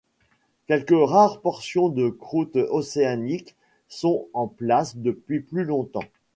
Quelques rares portions de croûte océanique sont en place depuis plus longtemps.